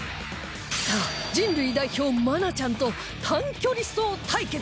さあ人類代表愛菜ちゃんと短距離走対決です